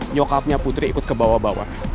nyokapnya putri ikut kebawa bawa